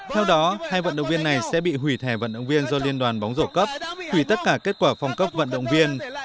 theo đó hai vận động viên này sẽ bị hủy thẻ vận động viên do liên đoàn bóng rổ cấp hủy tất cả kết quả phòng cấp vận động viên